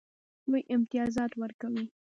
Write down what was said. دوی امتیازات ورکوي.